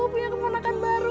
pihak kepanakan baru